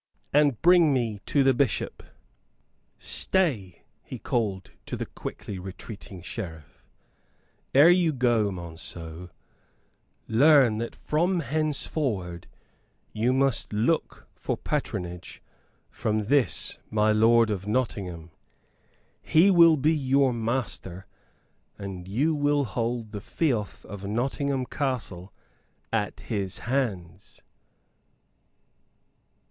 "And bring me to the Bishop. Stay!" he called to the quickly retreating Sheriff; "ere you go, Monceux, learn that from henceforward you must look for patronage from this my lord of Nottingham," he added, with a gesture. "He will be your master, and you will hold the feof of Nottingham Castle at his hands."